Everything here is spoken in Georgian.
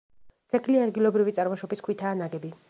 ძეგლი ადგილობრივი წარმოშობის ქვითაა ნაგები.